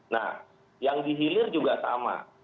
nah yang dihilir juga sama